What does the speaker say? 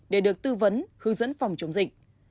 để được tư vấn hướng dẫn phòng chống dịch